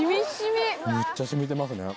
めっちゃ染みてますね。